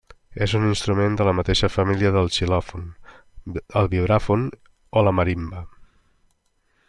És un instrument de la mateixa família que el xilòfon, el vibràfon o la marimba.